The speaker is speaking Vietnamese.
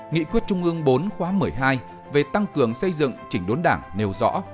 nghị quyết trung ương bốn khóa một mươi hai về tăng cường xây dựng chỉnh đốn đảng nêu rõ